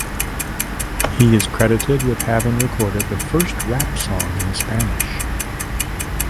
He is credited with having recorded the first rap song in Spanish.